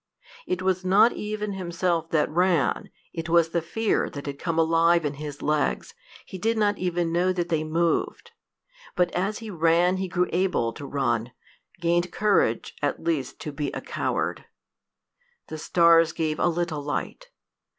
It was not even himself that ran, it was the fear that had come alive in his legs: he did not know that they moved. But as he ran he grew able to run gained courage at least to be a coward. The stars gave a little light.